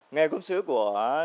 nghề góp sức của kim lan